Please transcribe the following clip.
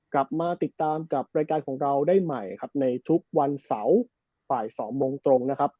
กลับมาติดตามกับรายการของเราได้ใหม่ครับในทุกวันเสาร์บ่ายสองโมงตรงนะครับ